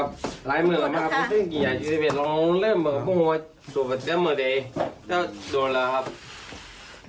แต่ตอนนี้แม่ไม่กินไม่สวนที่นี่หรอก